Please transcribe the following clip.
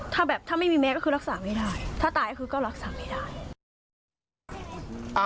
ถ้าแบบถ้าไม่มีแม่ก็คือรักษาไม่ได้ถ้าตายก็คือก็รักษาไม่ได้